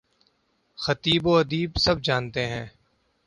خطیب و ادیب سب جانتے ہیں۔